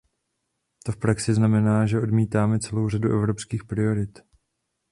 To v praxi znamená, že odmítneme celou řadu evropských priorit.